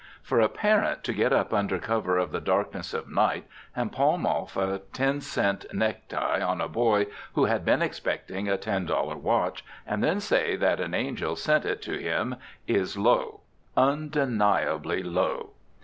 For a parent to get up under cover of the darkness of night and palm off a ten cent necktie on a boy who had been expecting a ten dollar watch, and then say that an angel sent it to him, is low, undeniably low.